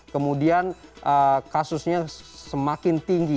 kemudian kasusnya semakin tinggi